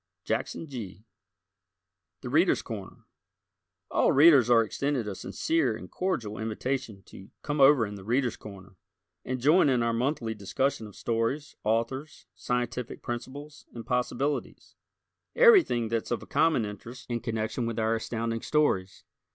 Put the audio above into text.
Jackson Gee. "The Readers' Corner" All Readers are extended a sincere and cordial invitation to "come over in 'The Readers' Corner'" and join in our monthly discussion of stories, authors, scientific principles and possibilities everything that's of common interest in connection with our Astounding Stories.